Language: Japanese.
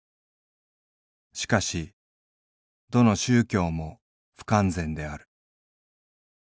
しかしどの宗教も不完全である。